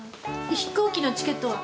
飛行機のチケットは？